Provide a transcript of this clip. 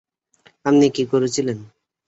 আপনি কী করেছিলেন?